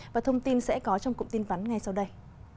và thông tin sẽ có trong cụm tin vắn ngay sau đây